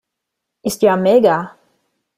Ist ja mega!